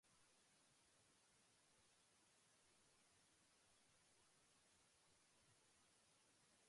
兄たちはどうしても来ませんでした。「百姓のお祭なんてちっとも面白くない。」と兄たちは言いました。